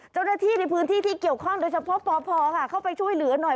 เจ้าหน้าที่ในพื้นที่ที่เกี่ยวข้องโดยเฉพาะปพค่ะเข้าไปช่วยเหลือหน่อย